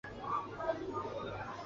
当年的冠军是梅艳芳。